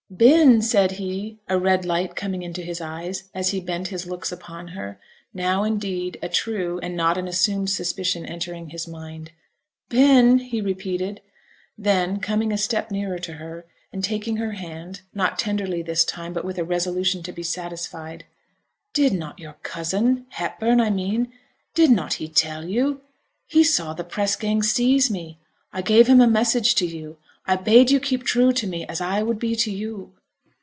'Been!' said he, a red light coming into his eyes, as he bent his looks upon her; now, indeed, a true and not an assumed suspicion entering his mind. 'Been!' he repeated; then, coming a step nearer to her, and taking her hand, not tenderly this time, but with a resolution to be satisfied. 'Did not your cousin Hepburn, I mean did not he tell you? he saw the press gang seize me, I gave him a message to you I bade you keep true to me as I would be to you.'